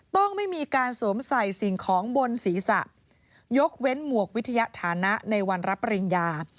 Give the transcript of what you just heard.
ต้องไม่มีการสวมใส่สิ่งของบนศีรษะยกเว้นหมวกวิทยาฐานะในวันรับปริญญา